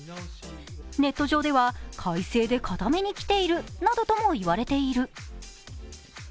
ネット上では、開成で固めにきているなどとも言われている。